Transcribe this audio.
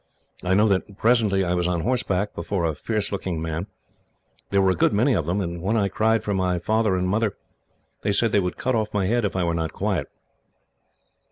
I know that presently I was on horseback, before a fierce looking man. There were a good many of them, and when I cried for my father and mother, they said they would cut off my head if I were not quiet.